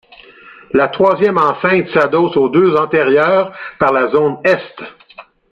La troisième enceinte s'adosse aux deux antérieures par la zone est.